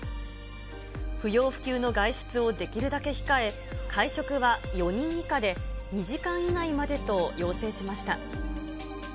不要不急の外出をできるだけ控え、会食は４人以下で、２時間以内までと要請しました。